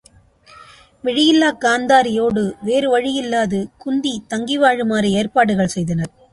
விழியில்லாக் காந்தாரியோடு வேறு வழி இல்லாது குத்தி தங்கி வாழுமாறு ஏற்பாடுகள் செய்தனர்.